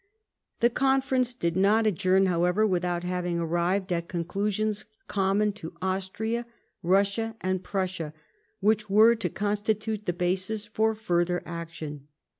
The Congress did not adjourn, however, without having arrived at conclusions common to Austria, Russia, and Prussia, which were to constitute the basis for further action.